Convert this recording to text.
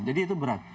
jadi itu berat